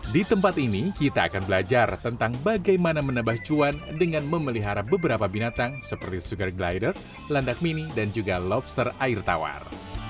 di tempat ini kita akan belajar tentang bagaimana menabah cuan dengan memelihara beberapa binatang seperti sugar glider landak mini dan juga lobster air tawar